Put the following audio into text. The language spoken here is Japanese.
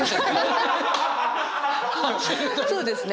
そうですね。